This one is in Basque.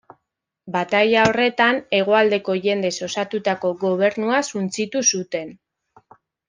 Bataila horretan hegoaldeko jendez osatutako gobernua suntsitu zuten.